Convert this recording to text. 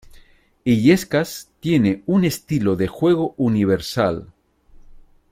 Illescas tiene un estilo de juego universal.